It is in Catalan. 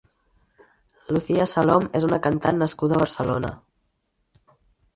Luthea Salom és una cantant nascuda a Barcelona.